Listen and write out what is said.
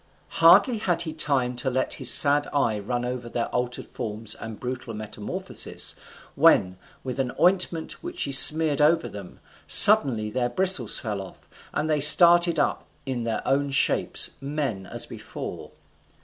Hardly had he time to let his sad eye run over their altered forms and brutal metamorphosis, when, with an ointment which she smeared over them, suddenly their bristles fell off, and they started up in their own shapes, men as before.